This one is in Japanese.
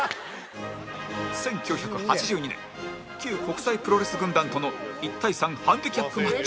１９８２年旧国際プロレス軍団との１対３ハンディキャップマッチ